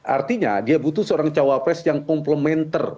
artinya dia butuh seorang cawapres yang komplementer